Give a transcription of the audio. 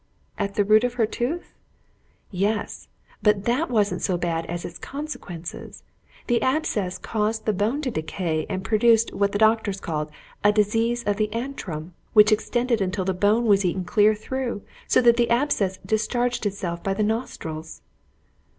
"At the root of her tooth?" "Yes. But that wasn't so bad as its consequences; the abscess caused the bone to decay, and produced what the doctors called a disease of the antrum, which extended until the bone was eaten clear through, so that the abscess discharged itself by the nostrils."